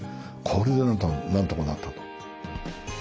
これでなんとかなったと。